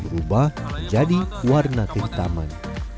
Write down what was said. berubah menjadi warna kehitaman